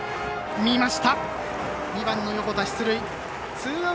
２番の横田出塁。